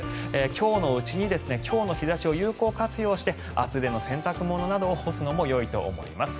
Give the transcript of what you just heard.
今日のうちに今日の日差しを有効活用して厚手の洗濯物などを干すのもよいと思います。